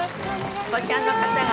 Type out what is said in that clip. こちらの方々